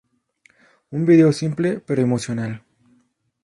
Un vídeo simple pero emocional.